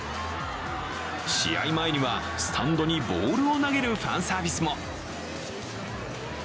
試合前にはスタンドにボールを投げるファンサービスも。